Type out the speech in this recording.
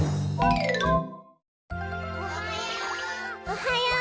おはよう！